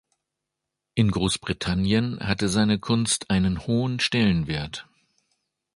In Großbritannien hatte seine Kunst einen hohen Stellenwert.